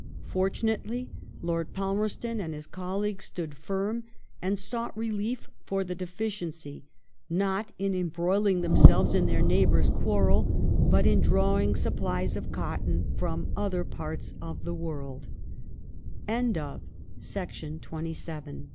Fortunately, Lord Palmerston and his colleagues stood firm; and sought relief for the deficiency, not in embroiling themselves in their neighbours' quarrel, but in drawing ^supplies of cotton from other parts of t